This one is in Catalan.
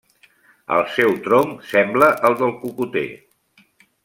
El seu tronc sembla el del cocoter.